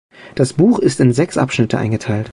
Das Buch ist in sechs Abschnitte eingeteilt.